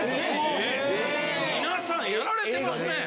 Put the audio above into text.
皆さんやられてますね。